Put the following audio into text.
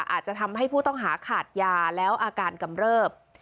อาจจะทำให้ผู้ต้องหาขาดยาแล้วอาการกำเริบ